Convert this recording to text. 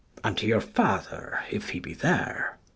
Unto your father, if he be there.